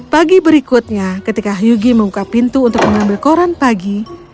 pagi berikutnya ketika hyugi membuka pintu untuk mengambil koran pagi